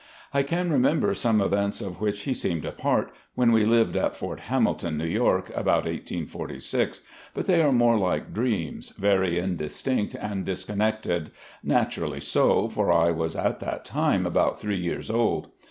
I can remember some events of which he seemed a part, when we lived at Fort Hamilton, New York, about 1846, but they are more like dreams, very indistinct and disconnected — ^naturally so, for I was at that time about three years old.